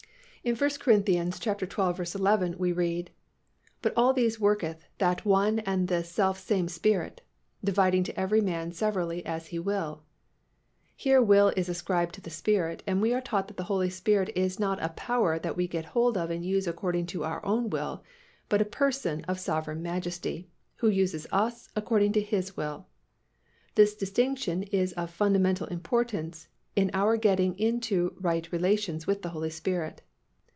In 1 Cor. xii. 11, we read, "But all these worketh that one and the selfsame Spirit, dividing to every man severally as He will." Here will is ascribed to the Spirit and we are taught that the Holy Spirit is not a power that we get hold of and use according to our will but a Person of sovereign majesty, who uses us according to His will. This distinction is of fundamental importance in our getting into right relations with the Holy Spirit.